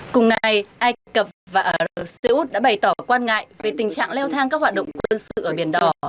cùng ngày ai cập và ả rập xê út đã bày tỏ quan ngại về tình trạng leo thang các hoạt động quân sự ở biển đỏ